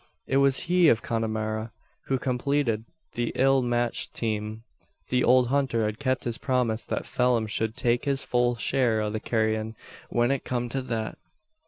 It was he of Connemara who completed the ill matched team. The old hunter had kept his promise, that Phelim should "take his full share o' the carryin', when it kum to thet."